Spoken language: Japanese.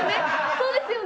そうですよね